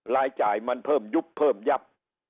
รายจ่ายมันเพิ่มยุบเพิ่มยับ